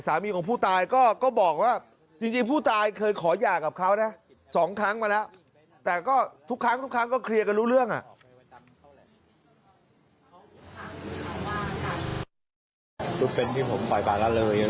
ถามโยชน์ตำแค่มันตายก็จบแล้ว